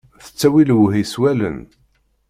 Tettawi lewhi s wallen.